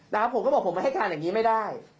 ผมก็บอกผมไม่ให้การอย่างนี้ไม่ได้